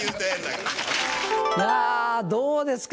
いやどうですか？